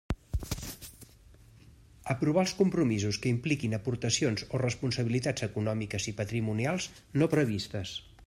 Aprovar els compromisos que impliquin aportacions o responsabilitats econòmiques i patrimonials no previstes.